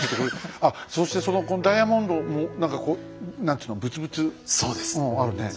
ああそしてそのダイヤモンドも何かこう何ていうのぶつぶつあるね。